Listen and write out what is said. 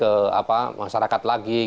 uji ke masyarakat lagi